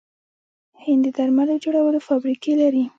هند د درملو جوړولو فابریکې لري.